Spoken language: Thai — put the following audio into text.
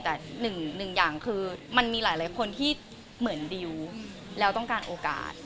แต่หนึ่งอย่างคือมันมีหลายคนที่เหมือนดิวแล้วต้องการโอกาส